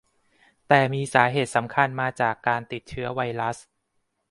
แต่มีสาเหตุสำคัญมาจากการติดเชื้อไวรัส